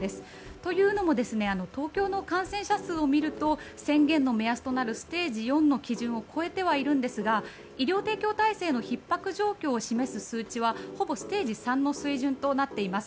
というのも東京の感染者数を見ると宣言の目安となるステージ４の基準を超えてはいるんですが医療提供体制のひっ迫状況を示す数値はステージ３の水準となっています。